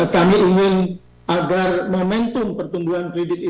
kami ingin agar momentum pertumbuhan kredit ini